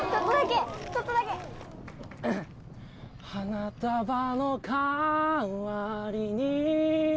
花束のかわりに